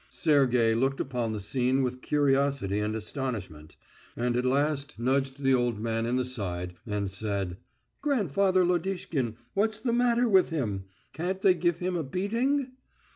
Sergey looked upon the scene with curiosity and astonishment, and at last nudged the old man in the side and said: "Grandfather Lodishkin, what's the matter with him? Can't they give him a beating?"